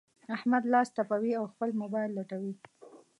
احمد لاس تپوي؛ او خپل مبايل لټوي.